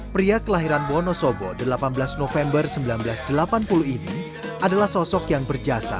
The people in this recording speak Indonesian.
pria kelahiran wonosobo delapan belas november seribu sembilan ratus delapan puluh ini adalah sosok yang berjasa